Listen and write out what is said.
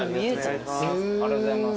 ありがとうございます。